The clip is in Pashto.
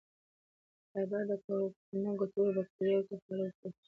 فایبر د کولمو ګټورو بکتریاوو ته خواړه ورکوي.